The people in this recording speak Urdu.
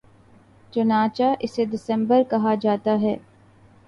چنانچہ اسے دسمبر کہا جاتا تھا